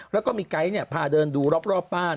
แล้วก็มีไก๊พาเดินดูรอบบ้าน